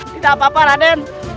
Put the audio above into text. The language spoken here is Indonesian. tidak apa apa raden